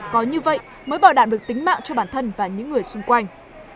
có như vậy mới bảo đảm được tính mạng cho bản thân và những người xung quanh